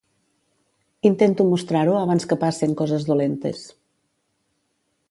Intento mostrar-ho abans que passen coses dolentes.